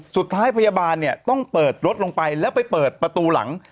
สุดท้ายพยาบาลเนี่ยต้องเปิดรถลงไปแล้วไปเปิดประตูหลัง